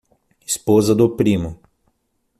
Esposa do primo